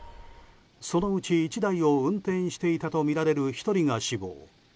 そのうち１台を運転していたとみられる１人が死亡。